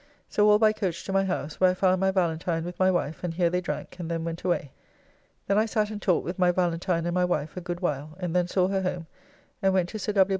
So all by coach to my house, where I found my Valentine with my wife, and here they drank, and then went away. Then I sat and talked with my Valentine and my wife a good while, and then saw her home, and went to Sir W.